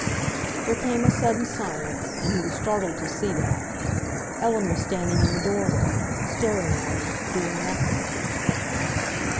There came a sudden silence, and he was startled to see that Ellen was standing in the doorway, staring at him, doing nothing.